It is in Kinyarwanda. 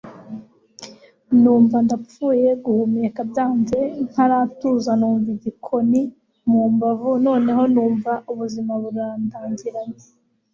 numva ndapfuye guhumeka byanze, ntaratuza numva igikoni mumbavu noneho numva ubuzima burandangiranye